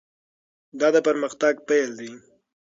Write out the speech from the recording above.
دا د پرمختګ پیل دی.